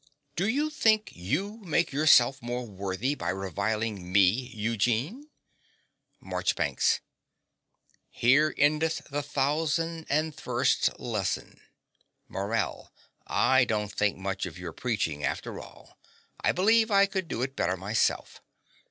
Do you think you make yourself more worthy by reviling me, Eugene? MARCHBANKS. Here endeth the thousand and first lesson. Morell: I don't think much of your preaching after all: I believe I could do it better myself.